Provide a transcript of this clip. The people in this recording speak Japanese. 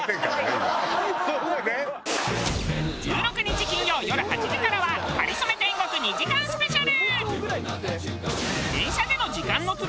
１６日金曜よる８時からは『かりそめ天国』２時間スペシャル！